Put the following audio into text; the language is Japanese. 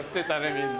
みんな。